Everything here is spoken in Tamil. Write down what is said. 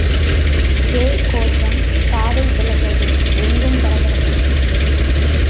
ஜே கோஷம் காதைப் பிளந்தது எங்கும் பரபரப்பு.